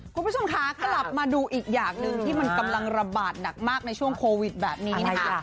คุณผู้ชมคะกลับมาดูอีกอย่างหนึ่งที่มันกำลังระบาดหนักมากในช่วงโควิดแบบนี้นะคะ